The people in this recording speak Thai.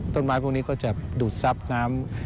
ต้นไม้พวกนี้ก็จะดูดซับน้ำ